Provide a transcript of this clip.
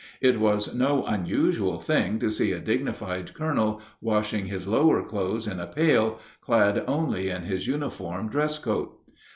It was no unusual thing to see a dignified colonel washing his lower clothes in a pail, clad only in his uniform dresscoat.